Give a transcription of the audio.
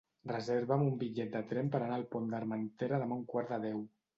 Reserva'm un bitllet de tren per anar al Pont d'Armentera demà a un quart de deu.